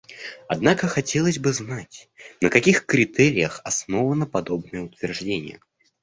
Однако хотелось бы знать, на каких критериях основано подобное утверждение.